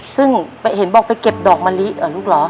ซึ่งเห็นบอกไปเก็บดอกมะลิเหรอลูกเหรอ